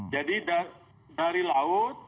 jadi dari laut